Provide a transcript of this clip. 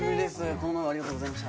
この前はありがとうございました。